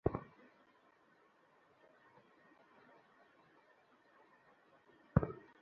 যদি তারা তাওবা করে তাহলে তাদের জন্য কল্যাণ হবে।